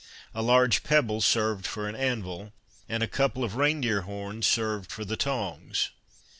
A large pebble served for an anvil, and a couple of rein deer horns served for the tongs.